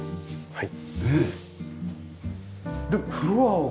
はい。